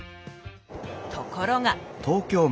ところが！